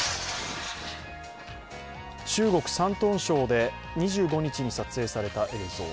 中国・山東省で２５日に撮影された映像。